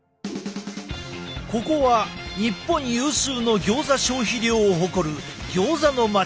ここは日本有数のギョーザ消費量を誇るギョーザの街